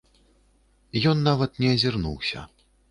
Ён нават не азірнуўся.